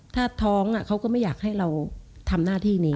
ถ้าท้องเขาก็ไม่อยากให้เราทำหน้าที่นี้